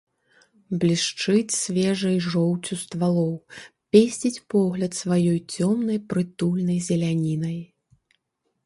Блішчыць свежай жоўцю ствалоў, песціць погляд сваёй цёмнай прытульнай зелянінай.